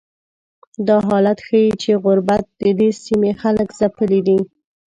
دا حالت ښیي چې غربت ددې سیمې خلک ځپلي دي.